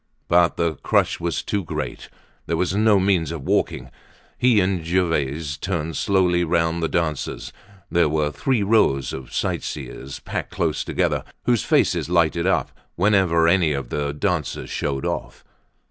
But the crush was too great; there was no means of walking. He and Gervaise turned slowly round the dancers; there were three rows of sightseers packed close together, whose faces lighted up whenever any of the dancers showed off.